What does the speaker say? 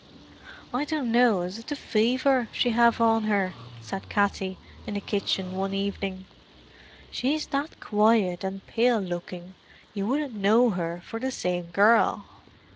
"I dunno is it the fever she have on her," said Katty in the kitchen one evening. "She's that quiet and pale looking you wouldn't know her for the same gerrl."